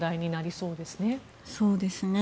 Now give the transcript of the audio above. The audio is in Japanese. そうですね。